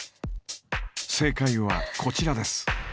正解はこちらです。